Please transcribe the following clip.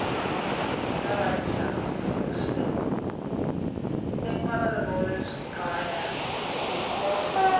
No answer. All was still. Then one of the boys cried out: Oh, ho!